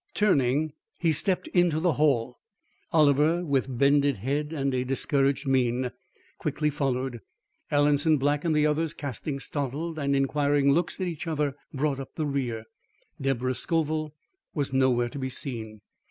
Turning, he stepped into the hall. Oliver, with bended head and a discouraged mien, quickly followed. Alanson Black and the others, casting startled and inquiring looks at each other, brought up the rear. Deborah Scoville was nowhere to be seen.